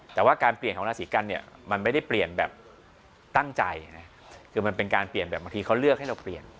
แต่ว่าการเปลี่ยนของราศีกันเนี่ยมันไม่ได้เปลี่ยนแบบตั้งใจนะคือมันเป็นการเปลี่ยนแบบบางทีเขาเลือกให้เราเปลี่ยน